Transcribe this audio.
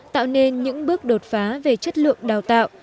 tạo nên những bước đột phá về chất lượng đào tạo